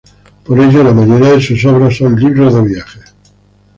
Por ello la mayoría de sus obras son libros de viajes.